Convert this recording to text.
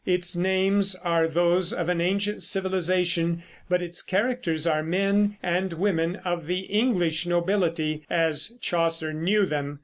Its names are those of an ancient civilization, but its characters are men and women of the English nobility as Chaucer knew them.